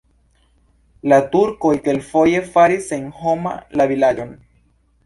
La turkoj kelkfoje faris senhoma la vilaĝon.